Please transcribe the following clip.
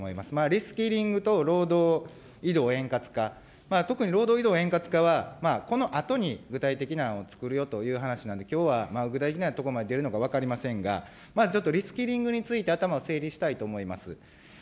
リスキリングと労働移動円滑化、特に労働移動円滑化は、このあとに具体的な案をつくるよということなんで、きょうは具体的なところまで出るのか分かりませんが、まずちょっとリスキリングについて、頭を整理したいと思います。